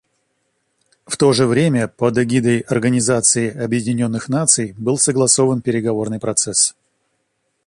В то же время под эгидой Организации Объединенных Наций был согласован переговорный процесс.